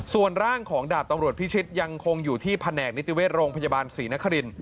ส่วนร่างของดาบตำรวจพิชิตยังคงอยู่ที่พันธ์แหน่งนิตุเวทโรงพัจจิบาลศรีนะคริล